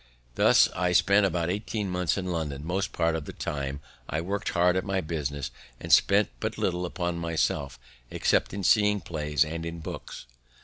Thus I spent about eighteen months in London; most part of the time I work'd hard at my business, and spent but little upon myself except in seeing plays and in books.